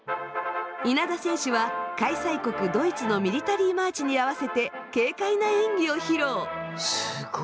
稲田選手は開催国ドイツのミリタリーマーチに合わせて軽快な演技を披露。